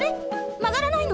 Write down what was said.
まがらないの？